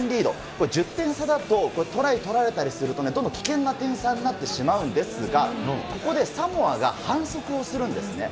これ１０点差だと、これ、トライ取られたりすると、どんどん危険な点差になってしまうんですが、ここでサモアが反則をするんですね。